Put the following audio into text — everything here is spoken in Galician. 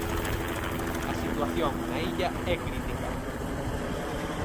A situación na illa é crítica.